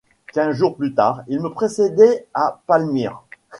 Quinze jours plus tard, il me précédait à Palmyre.